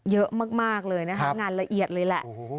เยอะมากเลยนะคะงานละเอียดเลยแหละ